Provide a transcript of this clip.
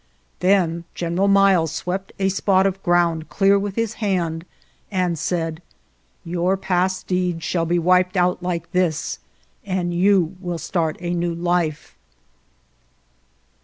Then General Miles swept a spot of ground clear with his hand, and said: " Your past deeds shall be wiped out like this and you will start a new life."